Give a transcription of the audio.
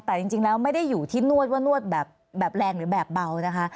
แต่จริงแล้วไม่ได้อยู่ที่นวดว่านวดแบบแรงหรือแบบเบานะคะ